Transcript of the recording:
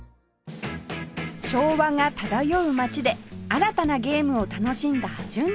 昭和が漂う街で新たなゲームを楽しんだ純ちゃん